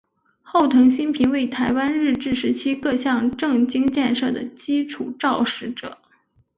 后藤新平为台湾日治时期各项政经建设的基础肇始者。